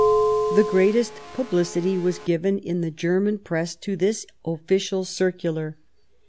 The greatest publicity was given in the German Press to this official circular.